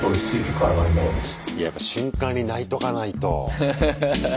やっぱ瞬間に泣いとかないと。